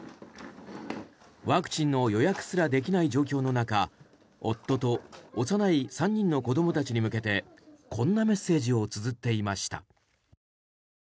ワクチンの予約すらできない状況の中夫と幼い３人の子どもたちに向けてこんなメッセージをつづっていました。